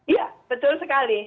iya betul sekali